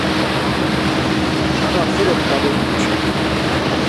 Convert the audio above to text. Şanak so dodu ǩelemimuşi?